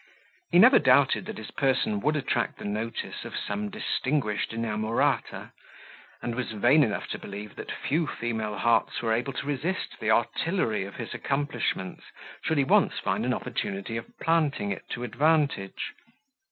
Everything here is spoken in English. He never doubted that his person would attract the notice of some distinguished inamorata, and was vain enough to believe that few female hearts were able to resist the artillery of his accomplishments, should he once find an opportunity of planting it to advantage.